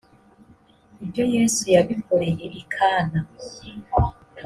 ibyo yesu yabikoreye i kana.